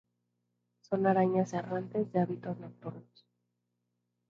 Son arañas errantes de hábitos nocturnos.